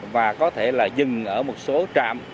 và có thể là dừng ở một số trạm